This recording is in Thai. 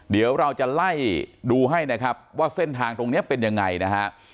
เดี๋ยวเราจะไล่ดูให้นะครับว่าเส้นทางตรงนี้เป็นยังไงนะฮะ